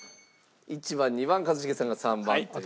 １番２番一茂さんが３番という。